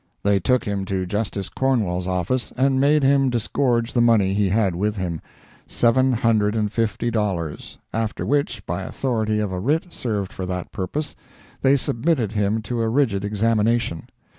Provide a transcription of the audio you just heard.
They took him to Justice Cornwall's office, and made him disgorge the money he had with him, seven hundred and fifty dollars, after which, by authority of a writ served for that purpose, they submitted him to a rigid examination.